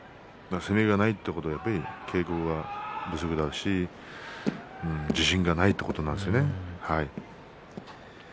攻めがないということはやっぱり稽古不足だし自信がないということなんですよね。